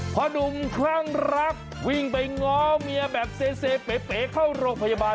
พอหนุ่มคลั่งรักวิ่งไปง้อเมียแบบเซเป๋เข้าโรงพยาบาล